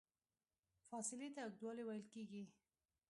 فاصلې ته اوږدوالی ویل کېږي.